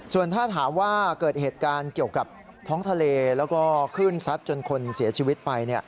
ส่วนถ้าถามว่าเกิดเหตุการณ์เกี่ยวกับท้องทะเลแล้วก็คลื่นซัดจนคนเสียชีวิตไป